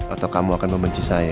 atau kamu akan membenci saya